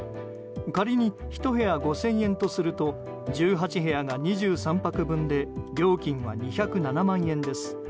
仮に１部屋５０００円とすると１８部屋が２３泊分で料金は２０７万円です。